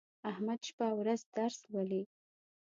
احمد شپه او ورځ درس لولي.